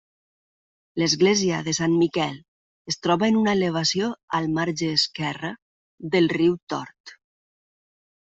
L'església de Sant Miquel es troba en una elevació al marge esquerre del riu Tort.